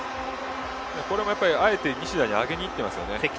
これもやっぱり、あえて西田に上げにいっていますよね。